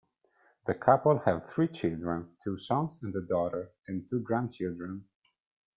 The couple have three children, two sons and a daughter, and two grandchildren.